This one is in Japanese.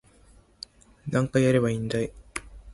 何回やればいいんだい